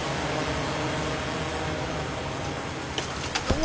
お！